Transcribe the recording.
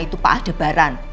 itu pak aldebaran